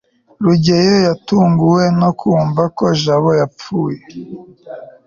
rugeyo yatunguwe no kumva ko jabo yapfuye